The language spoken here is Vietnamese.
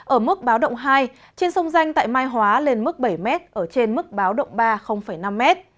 ở mức báo động hai trên sông danh tại mai hóa lên mức bảy m ở trên mức báo động ba năm m